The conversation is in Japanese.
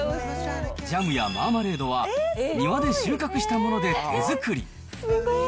ジャムやマーマレードは、庭で収穫したもので手作り。